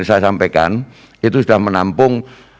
saya sampaikan itu sudah menampung